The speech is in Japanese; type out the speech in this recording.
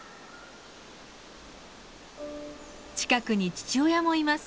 近くに父親もいます。